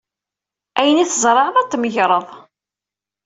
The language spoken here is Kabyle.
Ayen i tzerɛeḍ ad t-tmegreḍ.